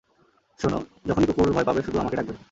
শোন, যখনই কুকুর ভয় পাবে, শুধু আমাকে ডাকবে।